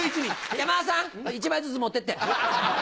山田さん１枚ずつ持ってって！